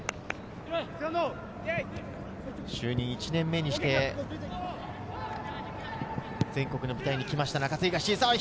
就任１年目にして全国の舞台に来ました中津東。